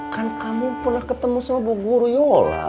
kan kamu pernah ketemu sama bu guryola